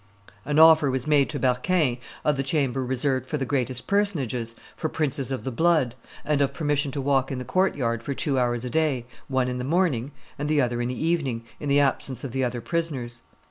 An offer was made to Berquin of the chamber reserved for the greatest personages, for princes of the blood, and of permission to walk in the court yard for two hours a day, one in the morning and the other in the evening, in the absence of the other prisoners.